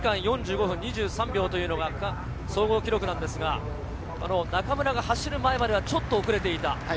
１０時間４５分２３秒というのが総合記録なんですが中村が走る前まではちょっと遅れていた。